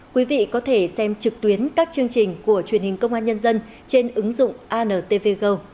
quý vị có thể xem trực tuyến các chương trình của truyền hình công an nhân dân trên ứng dụng antv go